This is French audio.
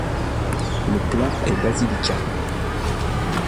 Le plan est basilical.